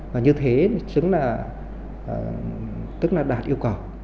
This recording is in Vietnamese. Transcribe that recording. và như thế xứng là tức là đạt yêu cầu